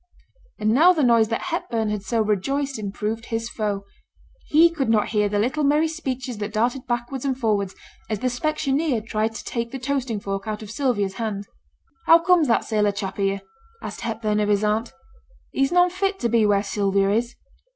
And now the noise that Hepburn had so rejoiced in proved his foe. He could not hear the little merry speeches that darted backwards and forwards as the specksioneer tried to take the toasting fork out of Sylvia's hand. 'How comes that sailor chap here?' asked Hepburn of his aunt. 'He's none fit to be where Sylvia is.'